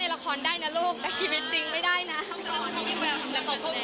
โดยเจ้าตัวมองว่าลูกสาวเนี่ยเป็นเหมือนบัตตี้ที่คุยกันอย่างรู้ใจส่วนแววในวงการบันเทิงนะฮะ